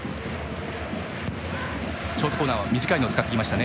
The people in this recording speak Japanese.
ショートコーナーは短いのを使ってきましたね。